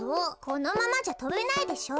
このままじゃとべないでしょ。